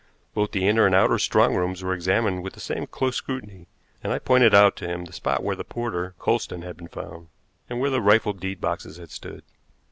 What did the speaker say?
Both the inner and the outer strong rooms were examined with the same close scrutiny, and I pointed out to him the spot where the porter, Coulsdon, had been found, and where the rifled deed boxes had stood.